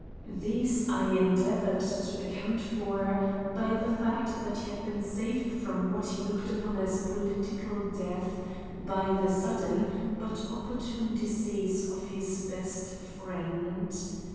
These I endeavored to account for by the fact that he had been saved from what he looked upon as political death by the sudden but opportune decease of his best friend.